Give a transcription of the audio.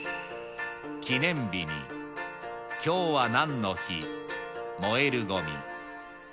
記念日に今日は何の日燃えるゴミ。